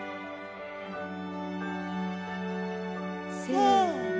せの！